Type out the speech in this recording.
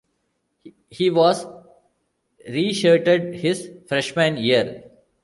He was reshirted his freshman year.